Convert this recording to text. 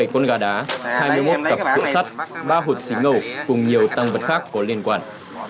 bảy con gà đá hai mươi một cặp cuộn sắt ba hột xí ngầu cùng nhiều tăng vật khác có liên quan